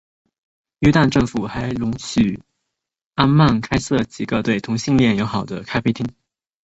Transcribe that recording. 约旦政府还容许安曼开设了几个对同性恋友好的咖啡厅。